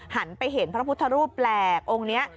หันไปเห็นพระพุทธรูปแปลกองค์นี้